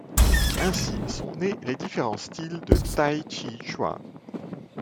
Ainsi sont nés différents styles de tai-chi-chuan.